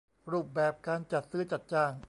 รูปแบบการจัดซื้อจัดจ้าง